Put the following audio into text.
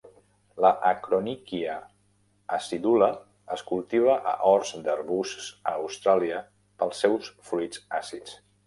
L'Acronychia acidula es cultiva a horts d'arbusts a Austràlia pels seus fruits àcids.